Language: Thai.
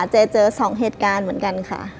เจอ๒เหตุการณ์เหมือนกันค่ะ